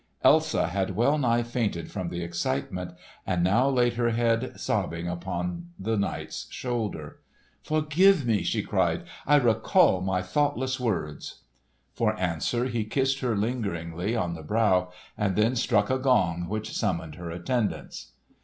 Elsa had well nigh fainted from the excitement, and now laid her head sobbing upon the knight's shoulder. "Forgive me!" she cried. "I recall my thoughtless words." For answer he kissed her lingeringly on the brow and then struck a gong which summoned her attendants.